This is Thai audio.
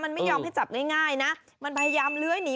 มันไม่ยอมให้จับง่ายนะมันพยายามเลื้อยหนี